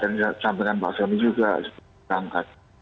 dan sampaikan pak soni juga sebut berangkat